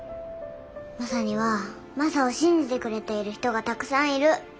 マサにはマサを信じてくれている人がたくさんいる。